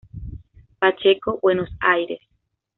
Pacheco, Buenos Aires.